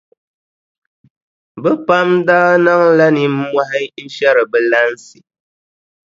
Bɛ pam daa niŋla nimmɔhi n-shɛri bɛ lansi.